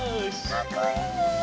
かっこいいね！